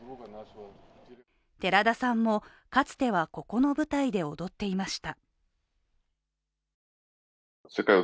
寺田さんもかつてはここの舞台で踊っていました。